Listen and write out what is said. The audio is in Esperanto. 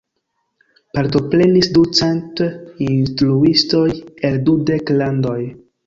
Partoprenis ducent instruistoj el dudek landoj.